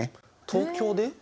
東京で？